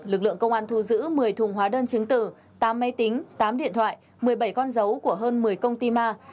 lực lượng công an thu giữ một mươi thùng hóa đơn chứng tử tám máy tính tám điện thoại một mươi bảy con dấu của hơn một mươi công ty ma